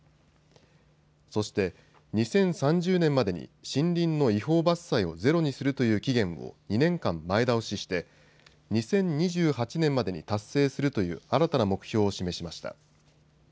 そして２０３０年までに森林の違法伐採をゼロにするという期限を２年間、前倒しして２０２８年までに達成するという新たな目標を示しました。